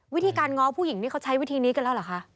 วิธีการง้อผู้หญิงนี่เขาใช้วิธีนี้กันแล้วเหรอคะ